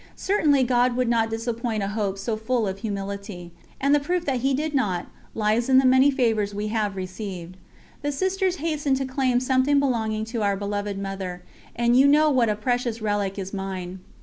Certainly God would not disappoint a hope so full of humility; and the proof that He did not, lies in the many favours we have received. The Sisters hastened to claim something belonging to our beloved Mother, and you know what a precious relic is mine.